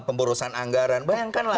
pemborosan anggaran bayangkan lah